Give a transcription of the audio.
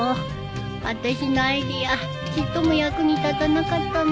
あたしのアイデアちっとも役に立たなかったね。